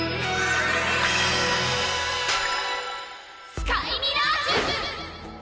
スカイミラージュ！